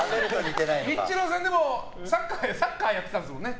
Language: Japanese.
ニッチローさんサッカーやってたんですもんね。